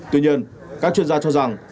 tuy nhiên các chuyên gia cho rằng